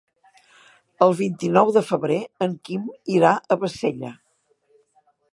El vint-i-nou de febrer en Quim irà a Bassella.